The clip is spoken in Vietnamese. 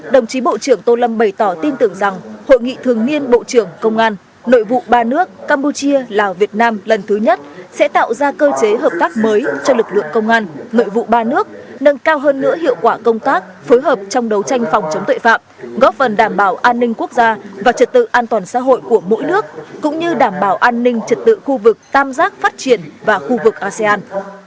đồng chí bộ trưởng tô lâm bày tỏ tin tưởng rằng hội nghị thường niên bộ trưởng công an nội vụ ba nước campuchia lào việt nam lần thứ nhất sẽ tạo ra cơ chế hợp tác mới cho lực lượng công an nội vụ ba nước nâng cao hơn nữa hiệu quả công tác phối hợp trong đấu tranh phòng chống tội phạm góp phần đảm bảo an ninh quốc gia và trật tự an toàn xã hội của mỗi nước cũng như đảm bảo an ninh trật tự khu vực tam giác phát triển và khu vực asean